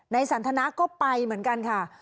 สันทนาก็ไปเหมือนกันค่ะ